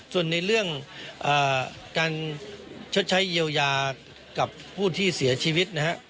ส่วนในเรื่องการชดใช้เยียวยากับผู้ที่เสียชีวิตนะฮะ